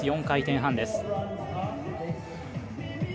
４回転半です。